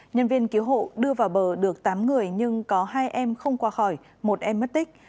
nhân viên cứu hộ đưa vào bờ được tám người nhưng có hai em không qua khỏi một em mất tích